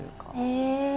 へえ！